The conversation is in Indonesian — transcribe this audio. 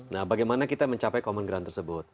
nah bagaimana kita mencapai common ground tersebut